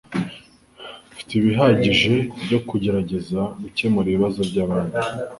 Mfite ibihagije byo kugerageza gukemura ibibazo byabandi.